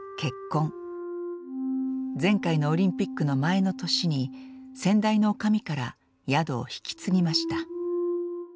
前回のオリンピックの前の年に先代の女将から宿を引き継ぎました。